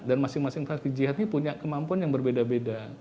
dan masing masing fraksi jihad ini punya kemampuan yang berbeda beda